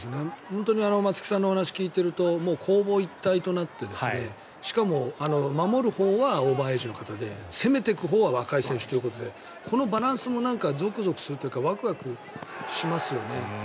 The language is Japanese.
松木さんのお話を聞いていると攻防一体となってしかも守るほうはオーバーエイジの方で攻めてくほうは若い選手ということでこのバランスもゾクゾクするというかワクワクしますよね。